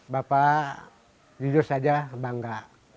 bapak tidur saja bangga